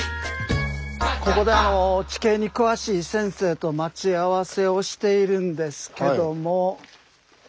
ここで地形に詳しい先生と待ち合わせをしているんですけども。